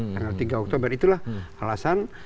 tanggal tiga oktober itulah alasan